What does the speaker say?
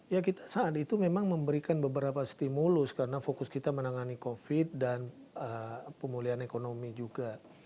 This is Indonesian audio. ya saat itu memang memberikan beberapa stimulus karena fokus kita menangani covid dan pemulihan ekonomi juga